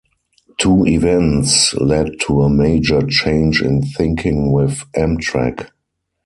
Two events led to a major change in thinking within Amtrak.